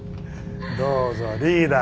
どうぞリーダー。